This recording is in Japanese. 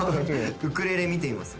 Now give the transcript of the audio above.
ウクレレ見てみます？